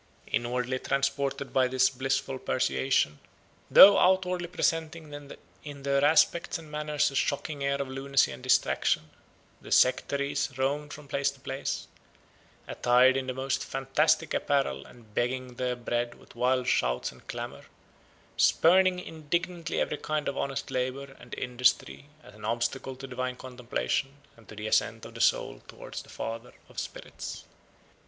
Inwardly transported by this blissful persuasion, though outwardly presenting in their aspect and manners a shocking air of lunacy and distraction, the sectaries roamed from place to place, attired in the most fantastic apparel and begging their bread with wild shouts and clamour, spurning indignantly every kind of honest labour and industry as an obstacle to divine contemplation and to the ascent of the soul towards the Father of spirits.